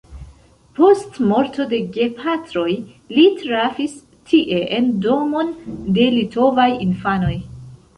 Post morto de gepatroj li trafis tie en domon de litovaj infanoj.